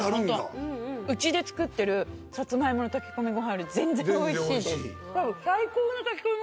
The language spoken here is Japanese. うちで作ってるサツマイモの炊き込みごはんより全然美味しいです。